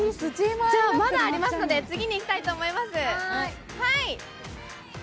まだありますので、次に行きたいと思います。